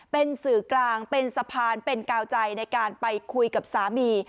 เป็นสื่อกลางเป็นสะพานเป็นกาวใจในการไปคุยกับสามี